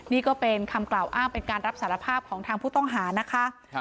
นี่ก็เป็นคำกล่าวอ้างเป็นการรับสารภาพของทางผู้ต้องหานะคะ